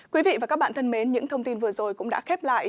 quý vị và các bạn thân mến những thông tin vừa rồi cũng đã khép lại